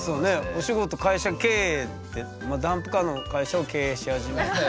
お仕事会社経営ってダンプカーの会社を経営し始めた。